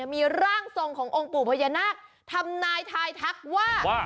มีร่างทรงขององค์ปู่พญานาคทำนายทายทักว่า